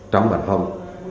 trong bản phòng